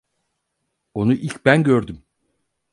Onu ilk ben gördüm.